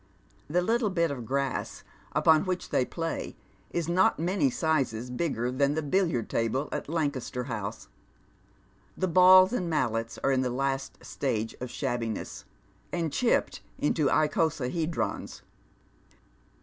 Tlie Httle bit of grass upon which they play is not many sizes bigger than the billiard table at Lancaster House. The balls and mallets are in the last stage of shabbiness, and chipped intoicosa hedrons.